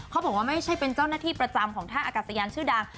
ไม่ใช่เป็นเจ้าหน้าที่ประจำของท่าอากาศยานชื่อดัง